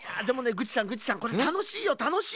グッチさんグッチさんこれたのしいよたのしい！